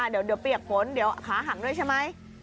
เดี๋ยวเปียกฝนเดี๋ยวขาหักด้วยใช่ไหม